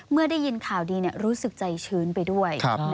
เมื่อได้ยินข่าวดีรู้สึกใจชื้นไปด้วย